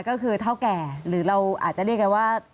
ก็คือเท่าแก่หรือเราอาจจะเรียกกันว่า